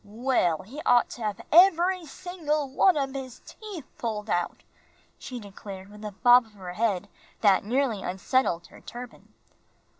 "Well, he ought to hab eb'ry single one ob his teef pulled out," she declared, with a bob of her head that nearly unsettled her turban.